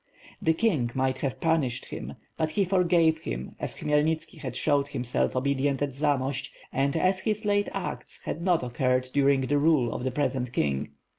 The king might have punished him; but he forgave him, as Khmyelnitski had shown himself obedient at Zamost, and as his late acts had not occurred during the rule of the present king.